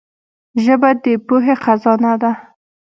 ژبه د پوهي خزانه ده.